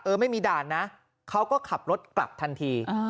ไม่มีด่านนะเขาก็ขับรถกลับทันที